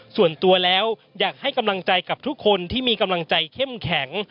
ส่วนตัวแล้วอยากให้กำลังใจกับทุกคนที่มีกำลังใจเข้มแข็ง